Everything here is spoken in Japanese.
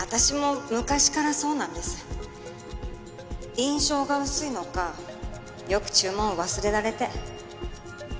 印象が薄いのかよく注文を忘れられて。